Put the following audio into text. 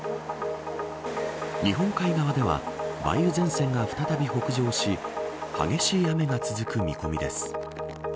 日本海側では梅雨前線が再び北上し激しい雨が続く見込みです。